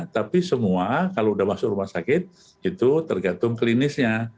tapi semua kalau sudah masuk rumah sakit itu tergantung klinisnya